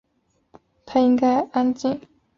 她应该安静地接受被强奸。